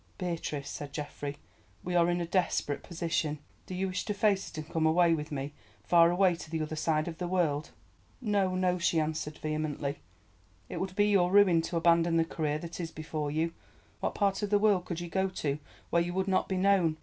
"Beatrice," said Geoffrey, "we are in a desperate position. Do you wish to face it and come away with me, far away to the other side of the world?" "No, no," she answered vehemently, "it would be your ruin to abandon the career that is before you. What part of the world could you go to where you would not be known?